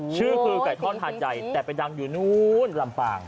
ชื่อคือไก่ทอดหาดใหญ่แต่เป็นดังอยู่นู่นลำปาง